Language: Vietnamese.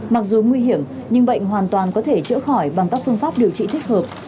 mặc dù nguy hiểm nhưng bệnh hoàn toàn có thể chữa khỏi bằng các phương pháp điều trị thích hợp